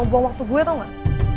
buang dua waktu gue tau gak